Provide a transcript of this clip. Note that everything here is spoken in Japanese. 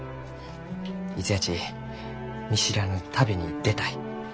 いつやち見知らぬ旅に出たい。